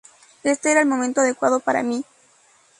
Este era el momento adecuado para mí.